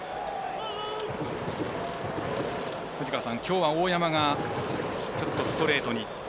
きょうは大山がちょっとストレートに。